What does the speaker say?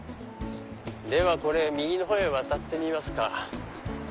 では右の方へ渡ってみますか。